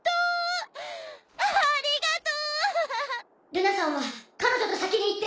ルナさんは彼女と先に行って！